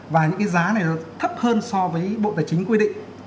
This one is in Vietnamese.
và những cái giá này nó thấp hơn so với bộ tài chính quy định